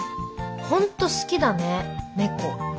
本当好きだね猫。